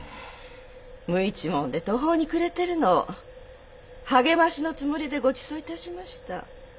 無一文で途方に暮れてるのを励ましのつもりでごちそういたしました。